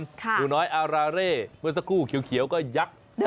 หนูน้อยอาราเร่เมื่อสักครู่เขียวก็ยักษ์